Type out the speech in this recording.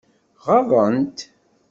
Ɣaḍen-t?